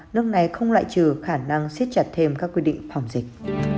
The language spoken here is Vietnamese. nước này không loại trừ khả năng siết chặt thêm các quy định phòng dịch